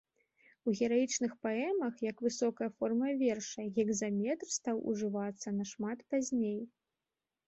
У гераічных паэмах, як высокая форма верша, гекзаметр стаў ужывацца нашмат пазней.